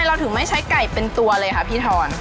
เราถึงไม่ใช้ไก่เป็นตัวเลยค่ะพี่ทอน